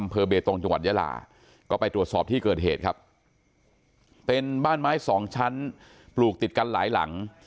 เบตงจังหวัดยาลาก็ไปตรวจสอบที่เกิดเหตุครับเป็นบ้านไม้สองชั้นปลูกติดกันหลายหลัง